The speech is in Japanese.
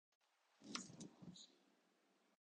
モンストは楽しい